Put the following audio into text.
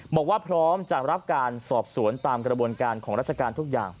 บอกว่าพร้อมจะรับการสอบสวนตามกระบวนการของราชการทุกอย่าง